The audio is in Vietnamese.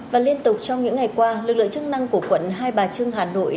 và liên tục trong những ngày qua lực lượng chức năng của quận hai bà trưng hà nội